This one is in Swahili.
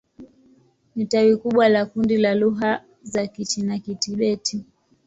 Ni tawi kubwa la kundi la lugha za Kichina-Kitibet.